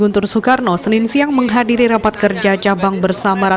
di banyuwangi sendiri putih menargetkan sebanyak tujuh puluh persen suara